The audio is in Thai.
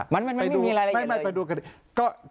มันไม่มีรายละเอียดเลย